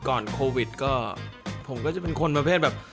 ก่อนโควิดก็ผมก็จะเป็นคนประเภทแบบ